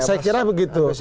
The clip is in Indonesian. saya kira begitu